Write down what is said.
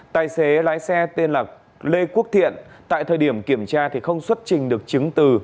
tài xế lái xe tên là lê quốc thiện tại thời điểm kiểm tra thì không xuất trình được chứng từ